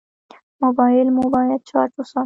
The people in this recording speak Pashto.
موبایل مو باید چارج وساتو.